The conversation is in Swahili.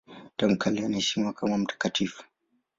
Tangu kale wanaheshimiwa kama mtakatifu.